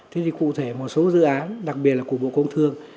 thế thì cụ thể một số dự án đặc biệt là của bộ công thương